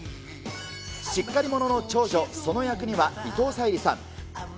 しっかり者の長女、想乃役には伊藤沙莉さん。